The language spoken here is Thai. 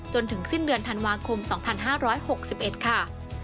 จนถึงสิ้นเดือนธันวาคม๒๕๖๑ค่ะ